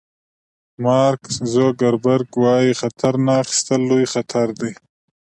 مارک زوګربرګ وایي خطر نه اخیستل لوی خطر دی.